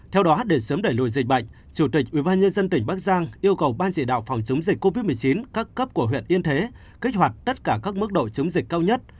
theo đó để sớm đẩy lùi dịch bệnh chủ tịch ubnd tỉnh bắc giang yêu cầu ban chỉ đạo phòng chống dịch covid một mươi chín các cấp của huyện yên thế kích hoạt tất cả các mức độ chống dịch cao nhất